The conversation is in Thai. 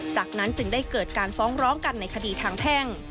จากนั้นจึงได้เกิดการฟ้องร้องกันในคดีทางแพ่ง